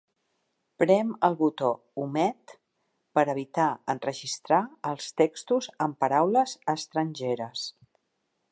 Prem el botó 'omet' per evitar enregistrar els textos amb paraules estrangeres.